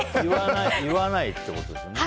言わないってことですね。